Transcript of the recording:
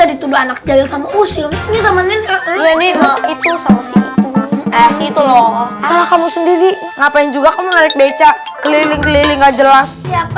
itu loh kamu sendiri ngapain juga kamu ngecek beca keliling keliling nggak jelas